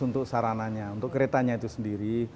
untuk sarananya untuk keretanya itu sendiri